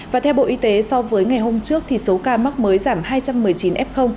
và theo bộ y tế so với ngày hôm trước thì số ca mắc mới giảm hai trăm một mươi chín f